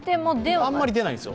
あんまり出ないんですよ。